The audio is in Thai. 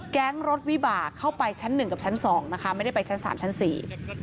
แก๊งรถวิบากเข้าไปชั้นหนึ่งกับชั้นสองนะคะไม่ได้ไปชั้นสามชั้นสี่